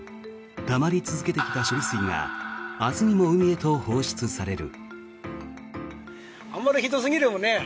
たまり続けてきた処理水が明日にも海へと放出される。